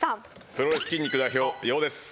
プロレス筋肉代表ＹＯＨです。